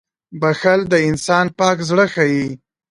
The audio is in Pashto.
• بښل د انسان پاک زړه ښيي.